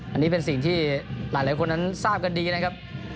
อันนี้เป็นสิ่งที่หลายคนนั้นทราบกันดีนะครับ